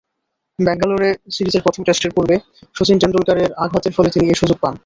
ব্যাঙ্গালোরে সিরিজের প্রথম টেস্টের পূর্বে শচীন তেন্ডুলকরের আঘাতের ফলে তিনি এ সুযোগ পান।